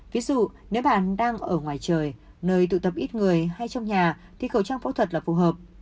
ví dụ nếu bạn đang ở ngoài trời nơi tụ tập ít người hay trong nhà thì khẩu trang phẫu thuật là phù hợp